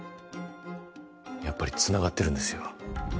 やっぱりつながってるんですよ